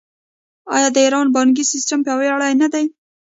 آیا د ایران بانکي سیستم پیاوړی نه دی؟